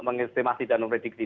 mengestimasi dan memrediksi